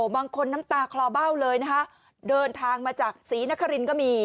น้ำตาคลอเบ้าเลยนะคะเดินทางมาจากศรีนครินก็มี